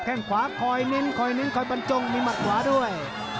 แค่งขวาคอยเน้นคอยเน้นคอยบรรจงมีหมัดขวาด้วย